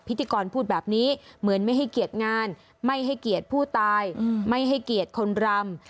พิธีกรพูดแบบนี้เหมือนไม่ให้เกียรติงานไม่ให้เกียรติผู้ตายไม่ให้เกียรติคนรำ